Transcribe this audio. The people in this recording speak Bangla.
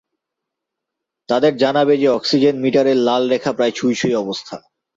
তাদের জানাবে যে, অক্সিজেন মিটারের লাল রেখা প্রায় ছুঁই-ছুঁই অবস্থা।